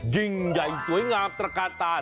ยิ่งใหญ่สวยงามตระกาลตา